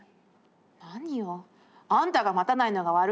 何よあんたが待たないのが悪いんじゃない」。